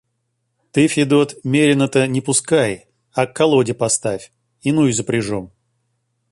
Ты, Федот, мерина-то не пускай, а к колоде поставь, иную запряжем.